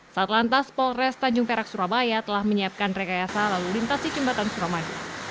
satu lantas polres tanjung perak surabaya telah menyiapkan rekayasa lalu lintasi jembatan suramadu